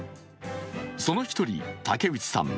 その一人、竹内さん